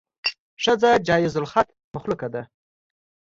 ښځه جایز الخطا مخلوقه ده.